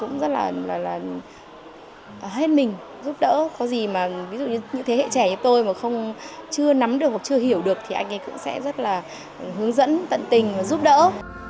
có gì mà ví dụ như thế hệ trẻ như tôi mà không chưa nắm được hoặc chưa hiểu được thì anh kiên cũng sẽ rất là hướng dẫn tận tình và giúp đỡ